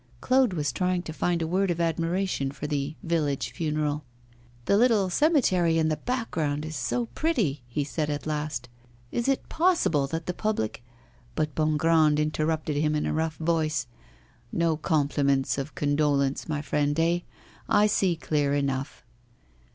Claude was trying to find a word of admiration for the 'Village Funeral.' 'The little cemetery in the background is so pretty!' he said at last. 'Is it possible that the public ' But Bongrand interrupted him in a rough voice: 'No compliments of condolence, my friend, eh? I see clear enough.